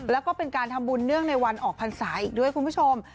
แล้วก็เป็นการทำบุญเนื่องในวันออกพรรษาอีกด้วยคุณผู้ชม